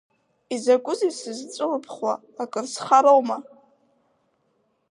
Изакәызеи сызҵәылыбхуа, акыр схароума?